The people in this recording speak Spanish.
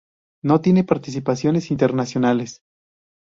No tiene participaciones internacionales.